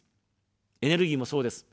エネルギーもそうです。